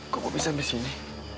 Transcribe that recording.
kok gue bisa sampai sini